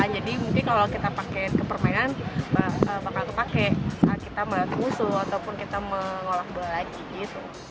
jadi mungkin kalau kita pakai kepermainan bakal terpakai saat kita mengusul ataupun kita mengolah bola lagi